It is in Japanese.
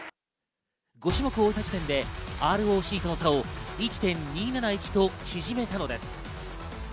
５種目終えた時点でＲＯＣとの差を１．２７１と縮めたのです。